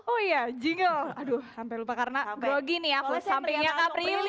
oh iya jingle aduh sampai lupa karena gue gini ya aku sampingnya kak prilly